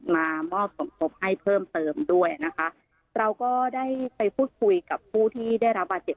มามอบสมทบให้เพิ่มเติมด้วยนะคะเราก็ได้ไปพูดคุยกับผู้ที่ได้รับบาดเจ็บ